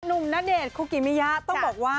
ณเดชน์คุกิมิยะต้องบอกว่า